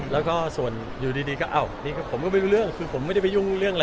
แล้วก็ส่วนอยู่ดีก็อ้าวผมก็ไม่รู้เรื่องคือผมไม่ได้ไปยุ่งเรื่องอะไร